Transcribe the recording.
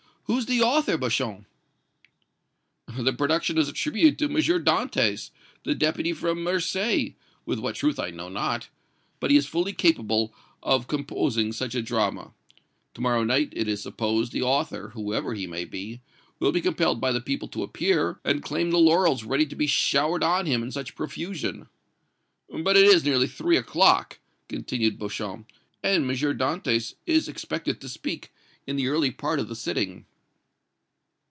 Who's the author, Beauchamp?" "The production is attributed to M. Dantès, the Deputy from Marseilles, with what truth I know not; but he is fully capable of composing such a drama. To morrow night, it is supposed, the author, whoever he may be, will be compelled by the people to appear and claim the laurels ready to be showered on him in such profusion. But it is nearly three o'clock," continued Beauchamp, "and M. Dantès is expected to speak in the early part of the sitting."